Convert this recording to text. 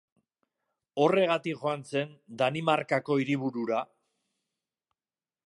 Horregatik joan zen Danimarkako hiriburura.